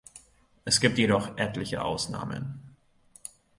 Es gibt jedoch etliche Ausnahmen.